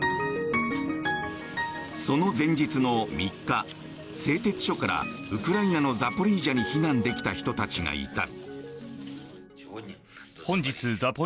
その前日の３日、製鉄所からウクライナのザポリージャに避難できた人たちがいた。